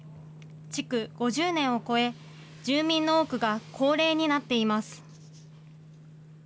築５０年を超え、住民の多くが高齢になっています。